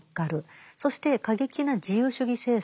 そして過激な自由主義政策を入れる。